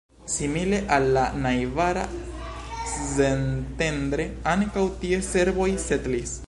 Simile al la najbara Szentendre, ankaŭ tie serboj setlis.